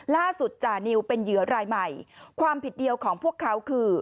จานิวเป็นเหยื่อรายใหม่ความผิดเดียวของพวกเขาคือ